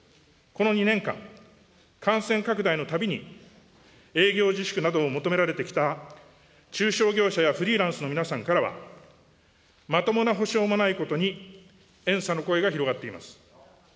この２年間、感染拡大のたびに、営業自粛などを求められてきた中小業者やフリーランスの皆さんからは、まともな補償もないことに、怨嗟の声が広がっています。